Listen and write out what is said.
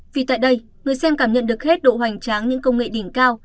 vì tại đây người xem cảm nhận được hết độ hoành tráng những công nghệ đỉnh cao